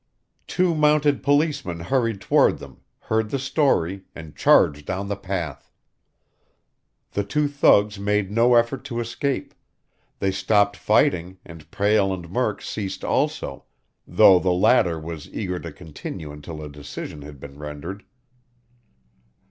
Two mounted policemen hurried toward them, heard the story, and charged down the path. The two thugs made no effort to escape. They stopped fighting, and Prale and Murk ceased also, though the latter was eager to continue until a decision had been rendered.